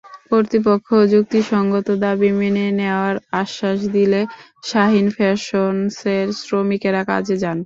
কর্তৃপক্ষ যুক্তিসংগত দাবি মেনে নেওয়ার আশ্বাস দিলে শাহীন ফ্যাশনসের শ্রমিকেরা কাজে যান।